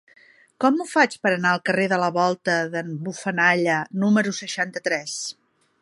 Com ho faig per anar al carrer de la Volta d'en Bufanalla número seixanta-tres?